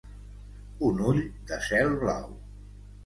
Un ull de cel blau.